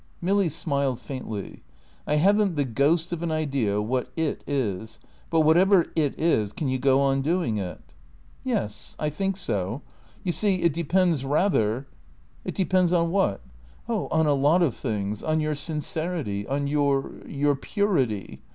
Milly smiled faintly. "I haven't the ghost of an idea what 'it' is. But whatever it is, can you go on doing it?" "Yes, I think so. You see, it depends rather " "It depends on what?" "Oh, on a lot of things on your sincerity; on your your purity.